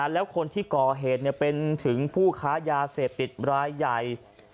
แล้วคนที่ก่อเหตุเป็นถึงผู้ค้ายาเสพติดรายใหญ่